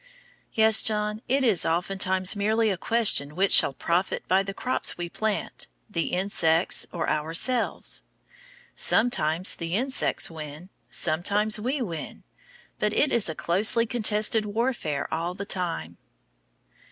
Yes, John, it is oftentimes merely a question which shall profit by the crops we plant, the insects or ourselves. Sometimes the insects win, sometimes we win, but it is a closely contested warfare all the time.